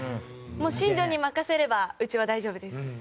もう新庄に任せればうちは大丈夫です。